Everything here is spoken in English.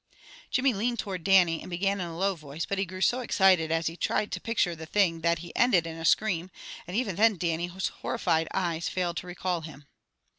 '" Jimmy leaned toward Dannie, and began in a low voice, but he grew so excited as he tried to picture the thing that he ended in a scream, and even then Dannie's horrified eyes failed to recall him.